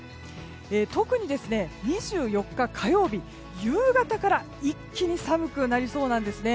特に２４日火曜日、夕方から一気に寒くなりそうなんですね。